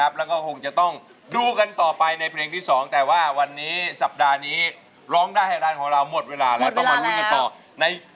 มาดูนะคะว่าความฝันของเธอจะสำเร็จหรือไม่